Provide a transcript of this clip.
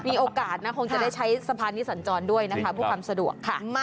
มีโอกาสนะคงจะได้ใช้สะพานนี้สัญจรด้วยนะคะเพื่อความสะดวกค่ะ